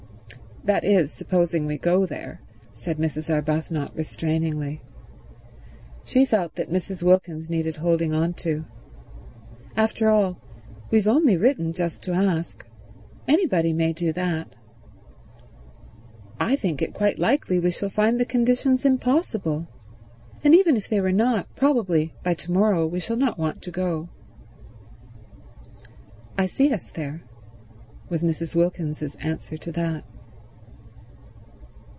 "That is, supposing we go there," said Mrs. Arbuthnot restrainingly. She felt that Mrs. Wilkins needed holding on to. "After all, we've only written just to ask. Anybody may do that. I think it quite likely we shall find the conditions impossible, and even if they were not, probably by to morrow we shall not want to go." "I see us there," was Mrs. Wilkins's answer to that.